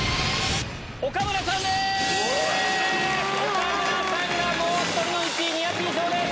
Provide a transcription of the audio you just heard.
岡村さんがもう１人の１位ニアピン賞です。